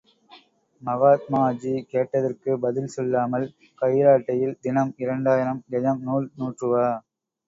மகாத்மாஜி, கேட்டதற்குப் பதில் சொல்லாமல், கைராட்டையில் தினம் இரண்டாயிரம் கெஜம் நூல் நூற்றுவா!